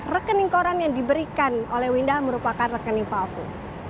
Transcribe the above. rekening koran yang diberikan oleh winda merupakan rekening palsu